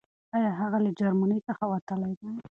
آيا هغه له جرمني څخه وتلی دی؟